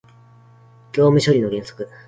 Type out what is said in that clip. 業務処理の原則